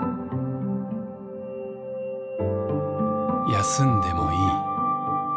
休んでもいい。